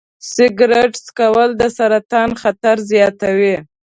سګرټ څکول د سرطان خطر زیاتوي.